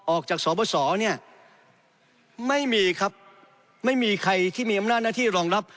ออกจากสบสเนี่ยไม่มีครับไม่มีใครที่มีอำนาจหน้าที่รองรับ